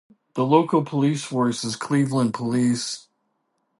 The local police force is Cleveland Police.